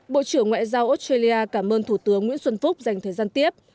bộ trưởng ngoại giao australia cảm ơn thủ tướng nguyễn xuân phúc dành thời gian tiếp